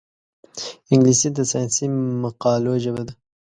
انګلیسي د ساینسي مقالو ژبه ده